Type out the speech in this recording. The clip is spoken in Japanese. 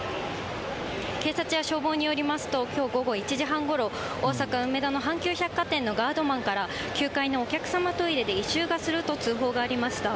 警察や消防によりますと、きょう午後１時半ごろ、大阪・梅田の阪急百貨店のガードマンから、９階のお客様トイレで異臭がすると通報がありました。